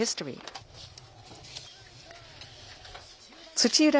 土浦